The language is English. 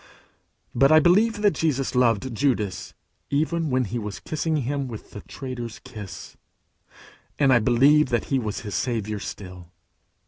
But I believe that Jesus loved Judas even when he was kissing him with the traitor's kiss; and I believe that he was his Saviour still.